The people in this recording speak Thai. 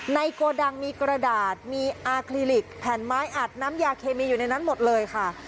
โกดังมีกระดาษมีอาคลิลิกแผ่นไม้อัดน้ำยาเคมีอยู่ในนั้นหมดเลยค่ะ